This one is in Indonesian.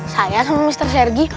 saya sama mister sergi